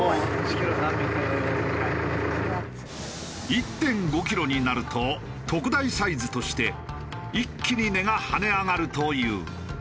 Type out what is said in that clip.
１．５キロになると特大サイズとして一気に値が跳ね上がるという。